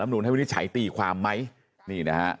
แล้วมนุษย์ให้วินิจฉัยตีความไหม